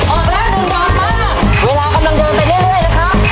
ออกแล้วหนึ่งดอกมาเวลากำลังเดินไปเรื่อยนะครับ